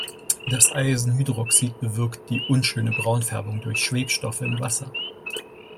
Das Eisenhydroxid bewirkt die unschöne Braunfärbung durch Schwebstoffe im Wasser.